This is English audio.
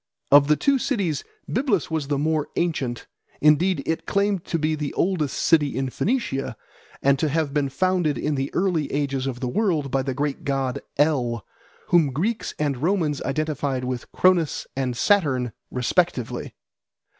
Of the two cities Byblus was the more ancient; indeed it claimed to be the oldest city in Phoenicia, and to have been founded in the early ages of the world by the great god El, whom Greeks and Romans identified with Cronus and Saturn respectively.